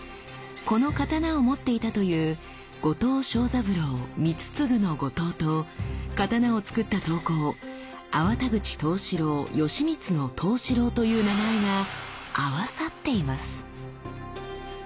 この刀を持っていたという後藤庄三郎光次の「後藤」と刀をつくった刀工粟田口藤四郎吉光の「藤四郎」という名前が合わさっています。